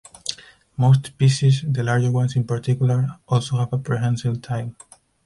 Most species, the larger ones in particular, also have a prehensile tail.